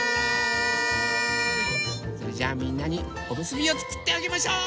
それじゃあみんなにおむすびをつくってあげましょう！